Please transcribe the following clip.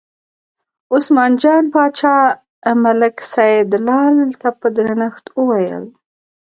عثمان جان باچا ملک سیدلال ته په درنښت وویل.